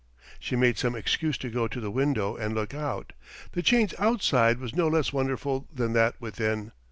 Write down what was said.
She made some excuse to go to the window and look out. The change outside was no less wonderful than that within.